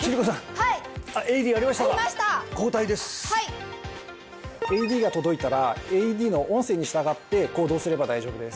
はいＡＥＤが届いたらＡＥＤの音声に従って行動すれば大丈夫です